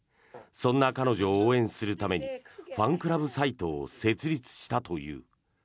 そんな彼女を応援するためにファンクラブサイトを設立したという。